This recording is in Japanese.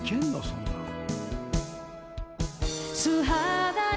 そんなん。